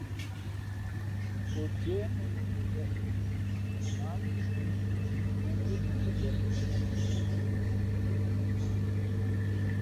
O cwěh mēn o pəpēʼ, mα ǎ ndíʼ cwǐ, mᾱ ngʉ́ nu pəpēʼ.